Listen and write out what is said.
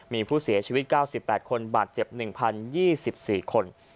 มีผู้เสียชีวิต๙๘คนบาดเจ็บ๑๐๒๔คน